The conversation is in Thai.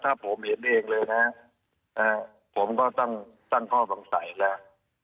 ถ้าผมเห็นเองเลยนะผมก็ตั้งข้อสงสัยแล้ว